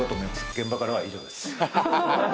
現場からは以上です。